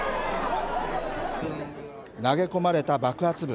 投げ込まれた爆発物。